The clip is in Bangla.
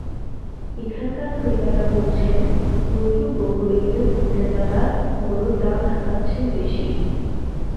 এখানকার ক্রেতারা বলছেন, প্রচুর গরু এলেও বিক্রেতারা গরুর দাম হাঁকাচ্ছেন বেশি।